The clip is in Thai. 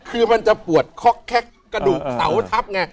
คือมันจะปวดค็อกแคกกระดูกเสาทับไง